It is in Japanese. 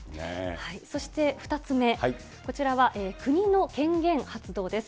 そして２つ目、こちらは国の権限発動です。